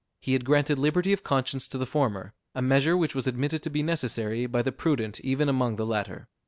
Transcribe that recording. He had granted liberty of conscience to the former; a measure which was admitted to be necessary by the prudent even among the latter.